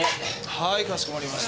はいかしこまりました。